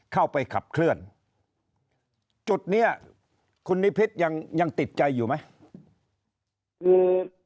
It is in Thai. เข้าไปขับเคลื่อนจุดนี้คุณนิพิษยังยังติดใจอยู่ไหม